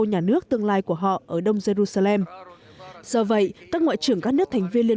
nhà nước tương lai của họ ở đông jerusalem do vậy các ngoại trưởng các nước thành viên liên